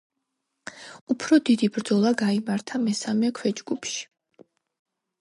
უფრო დიდი ბრძოლა გაიმართა მესამე ქვეჯგუფში.